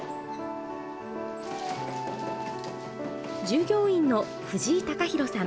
従業員の藤井貴寛さん。